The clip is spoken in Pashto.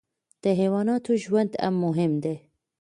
د حیواناتو ژوند هم مهم دی.